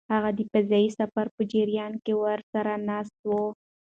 هغه د فضايي سفر په جریان کې ورسره ناست و.